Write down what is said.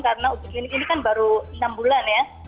karena ujung klinik ini kan baru enam bulan ya